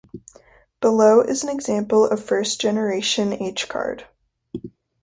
Below is an example of first generation hCard.